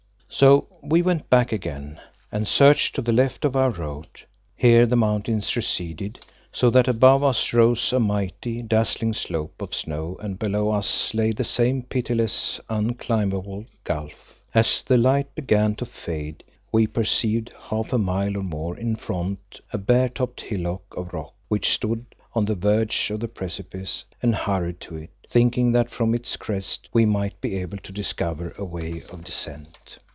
So we went back again and searched to the left of our road. Here the mountains receded, so that above us rose a mighty, dazzling slope of snow and below us lay that same pitiless, unclimbable gulf. As the light began to fade we perceived, half a mile or more in front a bare topped hillock of rock, which stood on the verge of the precipice, and hurried to it, thinking that from its crest we might be able to discover a way of descent.